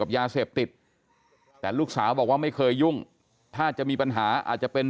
ยาเสพติดแต่ลูกสาวบอกว่าไม่เคยยุ่งถ้าจะมีปัญหาอาจจะเป็น